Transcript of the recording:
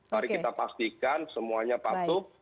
mari kita pastikan semuanya patuh